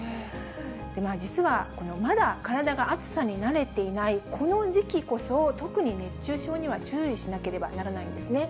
実は、まだ体が暑さに慣れていないこの時期こそ、特に熱中症には注意しなければならないんですね。